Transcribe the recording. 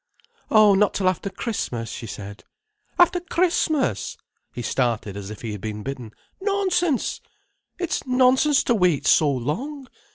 "Oh, not till after Christmas!" she said. "After Christmas!" he started as if he had been bitten. "Nonsense! It's nonsense to wait so long.